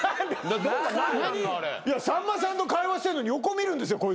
さんまさんと会話してんのに横見るんですよこいつ。